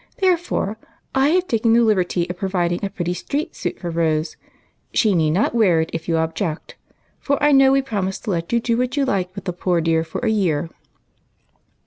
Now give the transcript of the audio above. Therefore I have taken the liberty of providing a pretty street suit for Rose. She need not wear it if you object, for I know we prom ised to let you do what you liked with the poor dear for a year."